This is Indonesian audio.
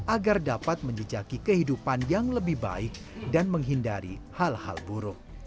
agar dapat menjejaki kehidupan yang lebih baik dan menghindari hal hal buruk